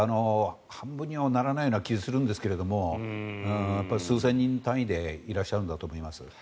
半分にはならないような気はするんですけど数千人単位でいらっしゃるんだと思います。